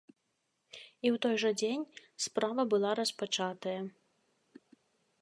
І ў той жа дзень справа была распачатая.